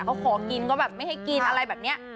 เขาขอกินก็แบบไม่ให้กินอะไรแบบนี้